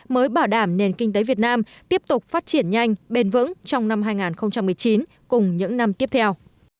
mới bảo đảm nền kinh tế việt nam tiếp tục phát triển nhanh bền vững trong năm hai nghìn một mươi chín cùng những năm tiếp theo